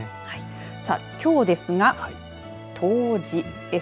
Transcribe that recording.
さあ、きょうですが冬至です。